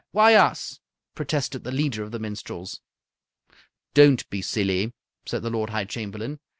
Why us?" protested the leader of the minstrels. "Don't be silly!" said the Lord High Chamberlain.